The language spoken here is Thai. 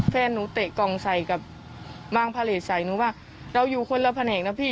แฟนหนูเตะกล่องใส่กับบางพระเลสใส่หนูว่าเราอยู่คนละแผนกนะพี่